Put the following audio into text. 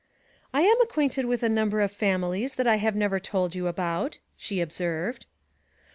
'I am acquainted with a number of families that I have never told you about,' she observed.